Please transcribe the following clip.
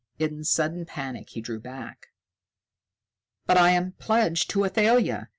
In sudden panic he drew back. "But I am pledged to Athalia!"